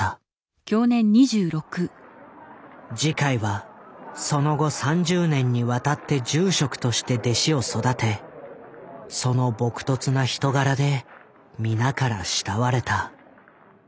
慈海はその後３０年にわたって住職として弟子を育てその朴とつな人柄で皆から慕われた。